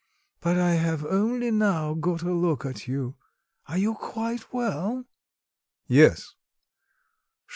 But I have only now got a look at you. Are you quite well?" "Yes."